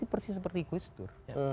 persis seperti gustur